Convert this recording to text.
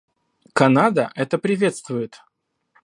Канада это приветствует.